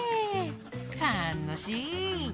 たのしい！